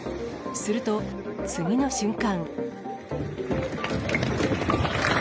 すると、次の瞬間。